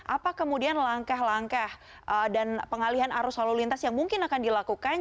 apa kemudian langkah langkah dan pengalihan arus lalu lintas yang mungkin akan dilakukan